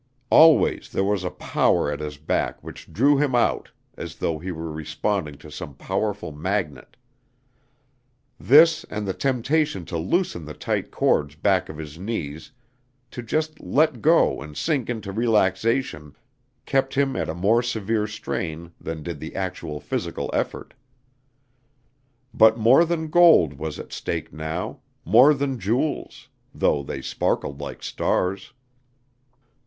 Always there was a power at his back which drew him out as though he were responding to some powerful magnet. This and the temptation to loosen the tight cords back of his knees to just let go and sink into relaxation kept him at a more severe strain than did the actual physical effort. But more than gold was at stake now, more than jewels, though they sparkled like stars.